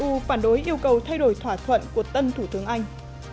eu phản đối yêu cầu thay đổi thỏa thuận của tân thủ tướng anh